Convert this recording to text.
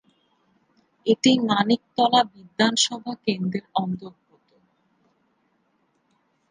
এটি মানিকতলা বিধানসভা কেন্দ্রের অন্তর্গত।